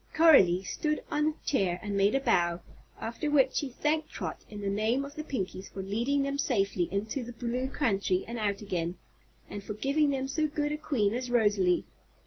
Coralie stood on a chair and made a bow, after which she thanked Trot in the name of the Pinkies for leading them safely into the Blue Country and out again, and for giving them so good a Queen as Rosalie.